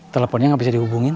teleponnya gak bisa dihubungin